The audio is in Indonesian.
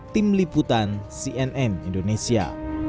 tim liputan cnn indonesia